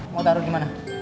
mau taruh dimana